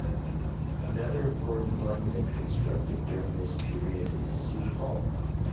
Another important monument constructed during this period is City Hall.